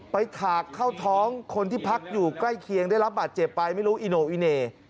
ถากเข้าท้องคนที่พักอยู่ใกล้เคียงได้รับบาดเจ็บไปไม่รู้อิโนอิเน่